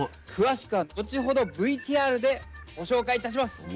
詳しくは後ほどＶＴＲでご紹介いたします。